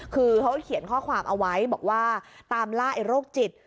คือเขาเขียนข้อความเอาไว้บอกว่าตามล่าไอ้โรคจิต